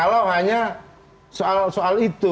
kalau hanya soal soal itu